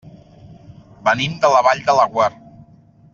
Venim de la Vall de Laguar.